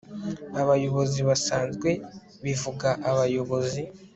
Abayobozi basanzwe bivuga abayobozi